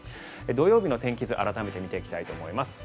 土曜日の天気図を改めて見ていきたいと思います。